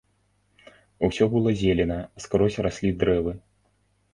Усё было зелена, скрозь раслі дрэвы.